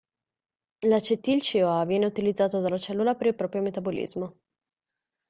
L'acetil CoA viene utilizzato dalla cellula per il proprio metabolismo.